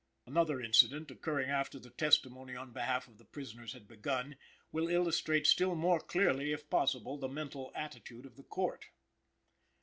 Another incident, occurring after the testimony on behalf of the prisoners had begun, will illustrate still more clearly, if possible, the mental attitude of the Court.